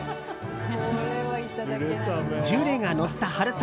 ジュレがのった春雨